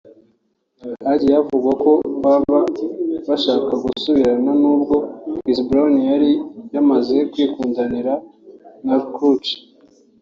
hagiye havugwa ko baba bashaka gusubirana n’ubwo Chris Brown yari yaramaze kwikundanira na Karrueche